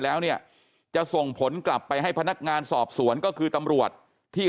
แล้วเนี่ยจะส่งผลกลับไปให้พนักงานสอบสวนก็คือตำรวจที่